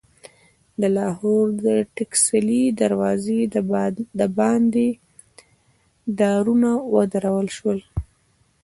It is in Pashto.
د لاهور د ټکسلي دروازې دباندې دارونه ودرول شول.